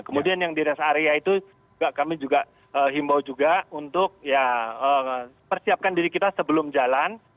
kemudian yang di rest area itu kami juga himbau juga untuk ya persiapkan diri kita sebelum jalan